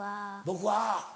「僕は」。